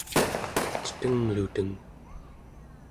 tetengluteng